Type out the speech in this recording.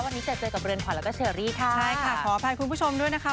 วันนี้เจอเจอกับเรือนขวัญแล้วก็เชอรี่ค่ะใช่ค่ะขออภัยคุณผู้ชมด้วยนะคะ